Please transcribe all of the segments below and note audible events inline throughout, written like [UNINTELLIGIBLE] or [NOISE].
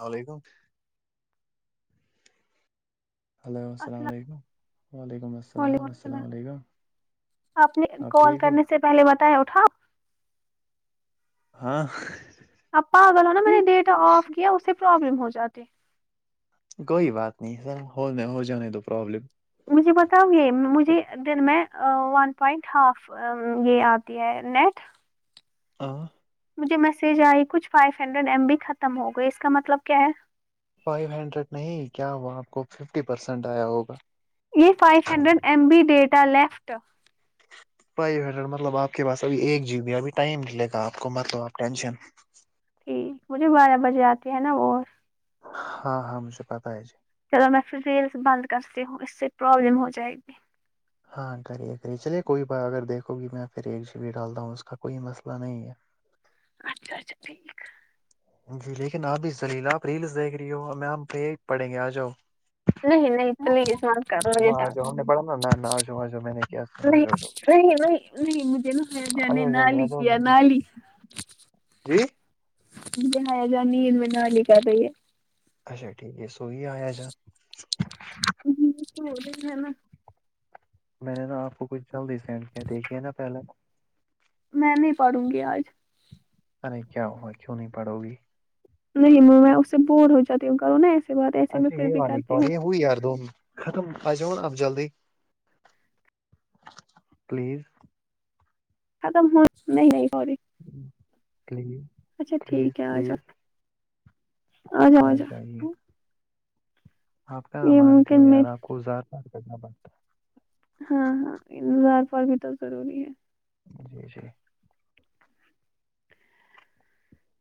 علیکم ہیلو السلام علیکم وعلیکم السلام علیکم آپ نے کال ٹھیک ہو کرنے سے پہلے بتایا اٹھا ہاں اپ پاگل ہو نا میں نے ڈیٹا آف کیا اس سے پرابلم ہو جاتے کوئی بات نہیں سر ہونے ہو جانے دو پرابلم مجھے بتاؤ یہ مجھے دن میں ا ون پوائنٹ ہاف یہ آتی ہے نیکسٹ ہاں مجھے میسج آئی کچھ فائیو ہنڈریڈ ایم بی ختم ہو گئے اس کا مطلب کیا ہے فائیو ہنڈریڈ نہیں کیا وہ آپ کو ففٹی پرسینٹ آیا ہوگا یہ five hundred M B data left five hundred مطلب آپ کے پاس ابھی ایک جی بی ہے ابھی ٹائم ملے گا آپ کو مت کو آپ ٹینشن ہو مجھے بارہ بجے آتی ہے نا اور ہاں ہاں مجھے پتا ہے جی چلو میں پھر ریلس بند کرتی ہوں اس سے پرابلم ہو جائے گی ہاں کریے کریے چلیے کوئی بات اگر دیکھو گی میں پھر ایک جی بی ڈالتا ہوں اس کا کوئی مسئلہ نہیں ہے اچھا اچھا ٹھیک ہے جی لیکن آبھی زلیلا آپ ریلس دیکھ رہی ہو میں آپ پہ پڑیں گے آ جاؤ نہیں نہیں پلیز مت کرو مجھے ہاں تنگ ا جاؤ میں پڑھاؤں گا میتھ ہاں اجاؤ ا جاؤ میں نے کیا ا نہیں جاؤ تم نہیں نہیں نہیں مجھے نا فیضا نے جاؤ جلدی آ نالی جاؤ کیا جلدی۔ نالی جی مجھے حائضہ نے ان میں نہ لکھا تھا یہ اچھا ٹھیک ہے سوئی ہے عائزہ ہو ہو تو ہے نا میں نے نا آپ کو کچھ چوبیس سینڈ کیا دیکھیے نا پہلے میں نہیں پڑھوں گی آج ارے کیا ہوا کیوں نہیں پڑو گی نہیں میں اس سے بور ہو جاتی ہوں کروں نا ای اچھا یہ بالی پڑھیے اؤ ار دو ختم آ جاؤا اپ جلدی پلیز ختم ہو نہیں نہیں ہو رہی پلیز اچھا ٹھیک پلیز ہے آ پلیز جاؤ آ جائیے [INAUDIBLE] آپ کہاں یہ مانتی ہو ممکن میں یار آپ کو زار پار کرنا پڑتا ہے ہاں ہاں زار پار بھی تو ضروری ہے جی جی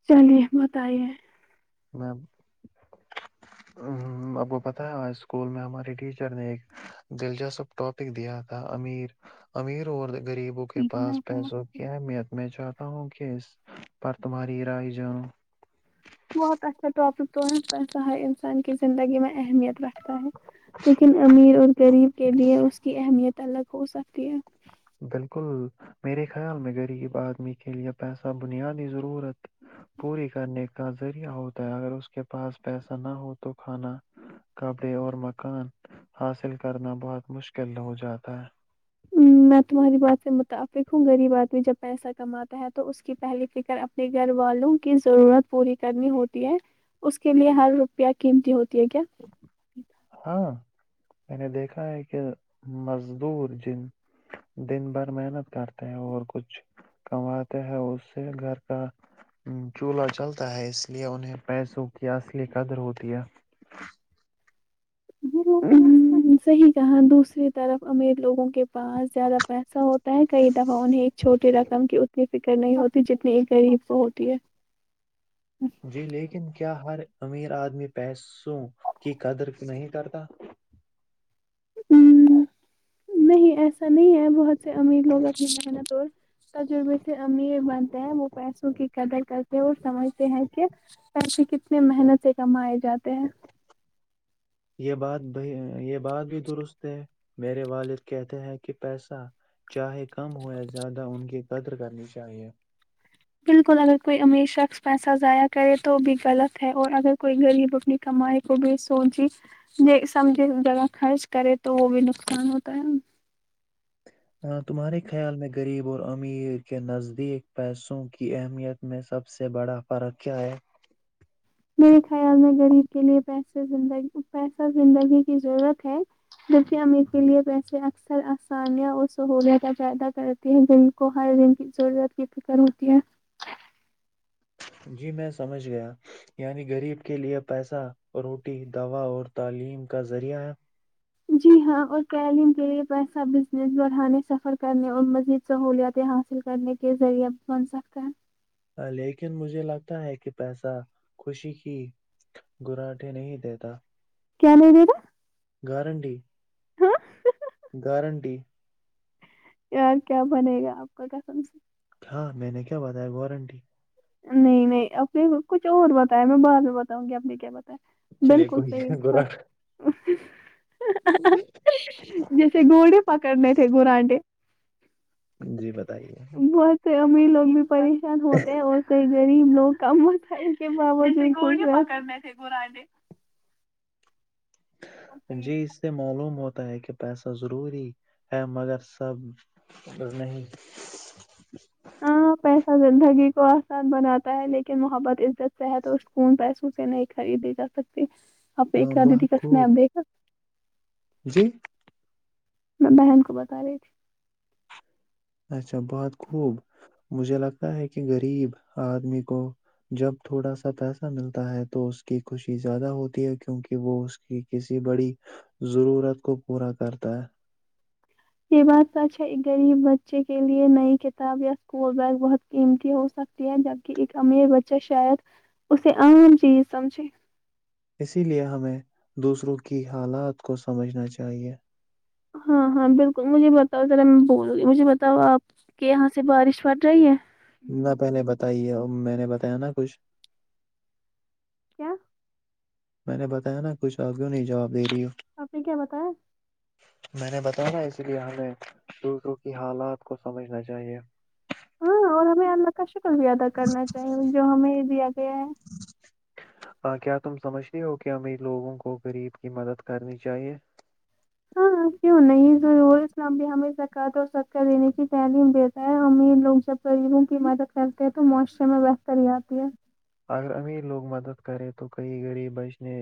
چلیے بتائیے میم ہ اب کو پتا ہے اسکول میں ہمارے ٹیچر نے ایک دلچسپ ٹاپک دیا تھا امیر امیر اور غریبوں کے پاس پیسوں کیا ہے اہمیت میں چاہتا ہوں کہ اس پر تمہاری رائی جانوں بہت اچھا ٹاپک تو ہے پیسہ ہر انسان کی زندگی میں اہمیت رکھتا ہے لیکن امیر اور غریب کے لیے اس کی اہمیت الگ ہو سکتی ہے بلکل میرے خیال میں غریب آدمی کے لیے پیسہ بنیادی ضرورت پوری کرنے کا ذریعہ ہوتا ہے اگر اس کے پاس پیسہ نہ ہو تو کھانا کپڑے اور مکان حاصل کرنا بہت مشکل ہو جاتا ہے میں تمہاری بات سے متعفق ہوں غریب آدمی جب پیسہ کماتا ہے تو اس کی پہلی فکر اپنے گھر والوں کی ضرورت پوری کرنی ہوتی ہے اس کے لیے ہر روپیہ قیمتی ہوتی ہے کیا ہاں میں نے دیکھا ہے کہ مزدور جن دن بھر محنت کرتے ہیں اور کچھ کماتے ہیں اس سے گھر کا چولہا چلتا ہے اس لیے انہیں پیسوں کی اصلی قدر ہوتی ہے صحیح کہااں دوسری طرف امیر لوگوں کو [INAUDIBLE] کے پاس زیادہ پیسہ ہوتا ہے کئی دفعہ انہیں ایک چھوٹی رقم کی اپ فکر نہیں ہوتی جتنی ایک غریب کوہوتی ہے جی لیکن کیا ہر امیر آدمی پیسوں کی قدر نہیں کرتا نہیں ایسا نہیں ہے بہت سے امیر لوگ اپنی محنت اور تجربے سے امیر بنتے ہیں وہ پیسوں کی قدر کر تے وہ سمجھتے ہیں کہ پیسے کتنے محنت سے کمائے جاتے ہیں یہ بات ب یہ بات بھی درست ہے میرے والد کہتے ہیں کہ پیسہ چاہے کم ہو یا زیادہ ان کی قدر کرنی چاہیے بلکل اگر کوئی امیر شخص پیسہ ضائع کرے تو بھی غلط ہے اور اگر کوئی غریب اپنی کمائی کو بھی سوچی سمجھے سب جگہ خرچ کرے تو وہ بھی نقصان ہوتا ہے ہ تمہارے خیال میں غریب اور امیر کے نزدیک پیسوں کی اہمیت میں سب سے بڑا فرق کیا ہے میرے خیال میں غریب کے لیے پیسے زندگی پیسہ زندگی کی ضرورت ہے جیسے امیر کے لیے پیسے اکثر آسانیاں اور سہولت پیدہ کر جن کو ہر دن کی ضرورت کی فکر ہوتی ہے جی میں سمجھ گیا یعنی غریب کے لیے پیسہ روٹی دوا اور تعلیم کا ذریعہ ہے جی ہاں اور تعلیم کے لیے پیسہ بزنس بڑھانے سفر کرنے اور مزید سہولتیں حاصل کرنے کے ذریعہ بن سکتا ہیں لیکن مجھے لگتا ہے کہ پیسہ خوشی کی گراٹے نہیں دیتا کیا نہیں لے گا گارنٹی ہاں گارنٹی کیا کیا بنے گا آپ کا قسم سے ہاں میں نے کیا بتایا گارنٹی نہیں نہیں اپنے کچھ اور بتایا میں بعد میں بتاؤں گی آپ نے کیا بتایا چلیے بلکل کوئی صحیح بہت گراٹ جیسے گھوڑے پکڑنے تھے گورانٹے جی بتائیے اس سے امیر لوگ بھی پریشان ہوتے ہیں اور کہ گریب لوگ ک تھا کہ بت کو جم کرنا تھے گورڈ [UNINTELLIGIBLE] جی اس سے معلوم ہوتا ہے کہ پیسہ ضروری ہے مگر سب نہیں ہاں پیسہ زندگی کو آسان بناتا ہے لیکن محبت عزت صحت اور سکون پیسوں سے نہیں خریدی جا سکتی آپ آ، نے آلیا دی بہت کا خوب سنیپ دیکھا جی میں بہن کو بتا رہی تھی اچھا بہت خوب مجھے لگتا ہے کہ غریب آدمی کو جب تھوڑا سا پیسہ ملتا ہے تو اس کی خوشی زیادہ ہوتی ہے کیونکہ وہ اس کی کسی بڑی ضرورت کو پورا کرتا ہے یہ بات سچ ہے غریب بچے کے لیے نئی کتاب یا اسکول بیگ بہت قیمتی ہو سکتی ہے جبکہ ایک امیر بچہ شاید اسے عام چیز سمجھے اسی لیے ہمیں دوسروں کی حالات کو سمجھنا چاہیے ہاں ہاں بالکل مجھے بتاؤ ذرا میں بول رہ مجھے بتاؤ آپ کہ یہاں سے بارش پڑ رہی ہے نہ پہلے بتائیے میں نے بتایا نا کچھ کیا میں نے بتایا نا کچھ آپ کیوں نہیں جواب دے رہی ہو آپ نے کیا بتایا میں نے بتایا نا اسی لیے ہمیں دوسروں کی حالات کو سمجھنا چاہیے ہاں اور ہمیں اللہ کا شکر بھی ادا کرنا چاہیے جو ہمیں دیا گیا ہے کیا تم سمجھتے ہو کہ امیر لوگوں کو غریب کی مدد کرنی چاہیے ہاں کیوں نہیں ضرور اسلام بھی ہمیں زکوۃ اور صدقہ دینے کی تعلیم دیتا ہے امیر لوگ جب غریبوں کی مدد کرتے ہیں تو معاشرے میں بہتری آتی ہے اگر امیر لوگ مدد کرے تو کئی غریب بچنے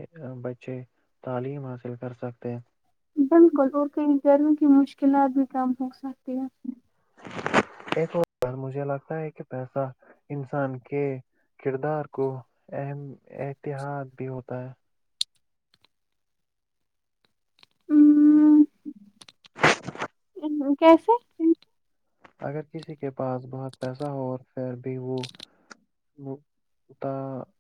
بچے تعلیم حاصل کر سکتے ہیں بالکل اور کہیں گھروں کی مشکلات بھی کم ہو سکتی ہے ایک مجھے لگتا ہے کہ پیسہ انسان کے کردار کو اہم اتحاد بھی ہوتا ہے ہم، کیسے اگر کسی کے پاس بہت پیسہ ہو پھر بھی وہ [UNINTELLIGIBLE]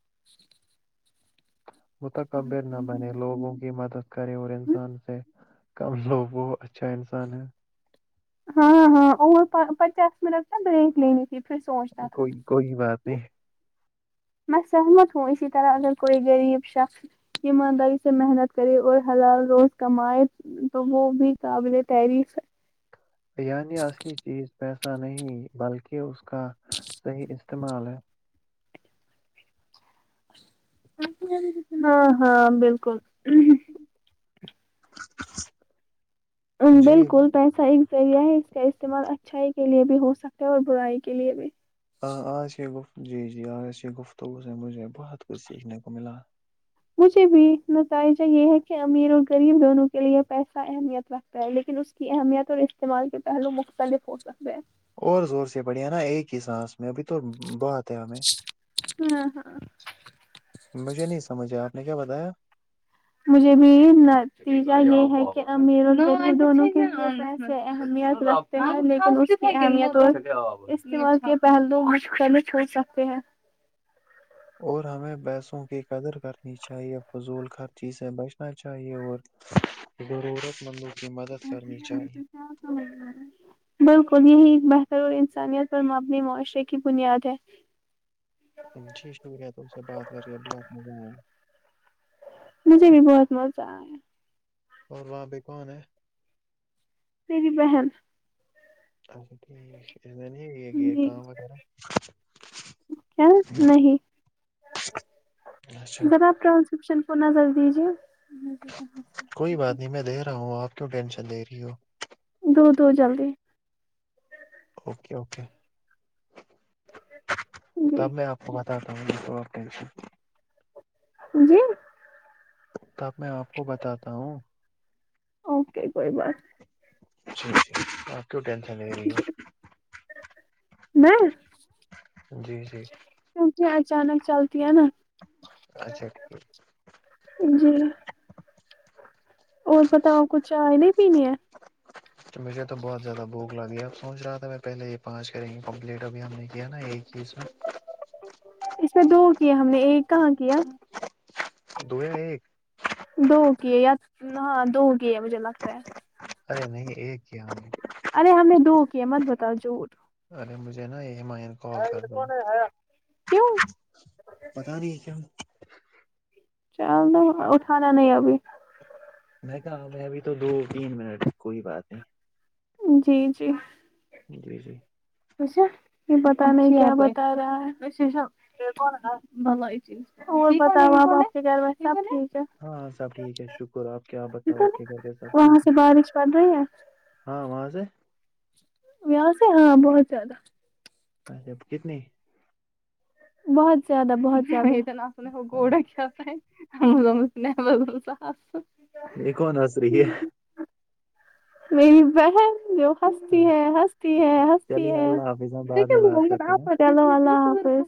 [INAUDIBLE] متکبر نہ بنے لوگوں کی مدد کرے اور انسان سے کم لوگ وہ اچھا انسان ہے ہاں ہاں اور پچاس منٹ نا بریک لینی تھی پھر سوچتا تھا کوئی کوئی بات نہیں میں سہمت ہوں اسی طرح اگر کوئی غریب شخص ایمانداری سے محنت کرے اور حلال روز کمائے تو وہ بھی قابل تحریف ہے یعنی اصلی چیز پیسہ نہیں بلکہ اس کا صحیح استعمال ہے ہاں ہاں بالکل [UNINTELLIGIBLE] [UNINTELLIGIBLE] جی ایسا ایک ذریعہ ہے اس کا استعمال اچھائی کے لیے بھی ہو سکتا ہے اور برائی کے لیے بھی ہ آج یہ گفت جی جی آج یہ گفتگو سے مجھے بہت کچھ سیکھنے کو ملا مجھے بھی نتائجہ یہ ہے کہ امیر اور غریب دونوں کے لیے پیسہ اہمیت رکھتا ہے لیکن اس کی اہمیت اور استعمال کے پہلو مختلف ہو سکتے ہیں اور زور سے پڑھیا نا ایک ہی سانس میں ابھی تو بات ہے ہمیں ہاں ہاں مجھے نہیں سمجھا آپ نے کیا بتایا مجھے بھی نتیجہ یہ ہے کہ امیر دونوں کے سے اہمیت رکھ لیکن اس کی اہمیت اور استعمال کے پہلو مختلف ہو سکتے ہیں اور ہمیں پیسوں کی قدر کرنی چاہیے فضول خرچی سے بچنا چاہیے اور ضرورت مندوں کی مدد کرنی چاہیے بالکل یہی ایک بہتر اور انسانیت پر مبنی معاشرے کی بنیاد ہے جی شکریہ تم سے بات کر کے بہت مزہ آیا مجھے بھی بہت مزہ آیا اور وہاں بپے کون ہے میری بہن اچھا ٹھیک اس نہیں یہ کہ جی کام وغیرہ [INAUDIBLE] نہیں اچھا جناابن کچن کو نظر دیجیے کوئی بات نہیں میں دے رہا ہوں آپ کیوں ٹینشن لے رہی ہو دو دو جلدی اوکے اوکے جی تب میں آپ کو بات [UNINTELLIGIBLE] جی تب میں آپ کو بتاتا ہوں اوکے کوئی بات اچھا [UNINTELLIGIBLE] کیوں ٹینشن لے رہی ہو میں جی جی کیونکہ اچانک چلتی ہے نا اچھا ٹھیک جی اور بتاؤ کچھ چائے نہیں پینی ہے [UNINTELLIGIBLE] تو مجھے تو بہت زیادہ بھوک لگی اب سوچ رہا تھا میں پہلے یہ پانچ کریں گی کمپلیٹ ابھی ہم نے کیا نا ایک ہی اس میں اس میں دو کیا ہم نے ایک کہاں کیا دو یا ایک دو کیے ہے یا ہاں دو ہو کی ہے مجھے لگتا ہے ارے نہیں ایک کیا ہم ارے ہم نے دو کیا مت بتاؤ جھوٹ ارے مجھے نا ہیمئین کال کر دو ہے کیوں بتا نہیں ہے کیاوں چل تو اٹھانا نہیں ابھی میں کہاں ہے ابھی تو دو تین منٹ کوئی بات نہیں جی جی جی جی اوھا یہ پتا نہیں کیا بتا رہا ہے وش کون ب یہ چیز تو بتا ہو کے ب سب ٹھیک ہے ہاں سب ٹھیک ہے شکر آپ کیا بتاؤ ہے آپ کے گھر پہ سب وہاں ٹھیک ہے سے بارش پڑ رہی ہے ہاں واں سے ہے ویا سے ہاں بہت زیادہ اچھا کتنی بہت زیادہ بہت زیا ن س ہو گوڑا کیا ہے [INAUDIBLE] یہ کون ح س رہ یہ میری بہن جو ہستی ہے ہنستی ہے ہنستتی چلیے ہے اللہ حافظ ہم بعد کیا میں بات ل کرتے ہیں آپ چلو والا حافس